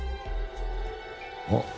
あっ。